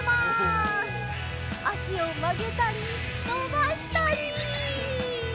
あしをまげたりのばしたり！